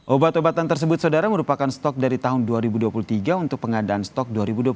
obat obatan tersebut saudara merupakan stok dari tahun dua ribu dua puluh tiga untuk pengadaan stok dua ribu dua puluh